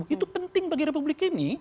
itu penting bagi republik ini